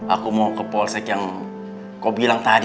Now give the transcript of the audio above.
aku mau ke polsek yang kau bilang tadi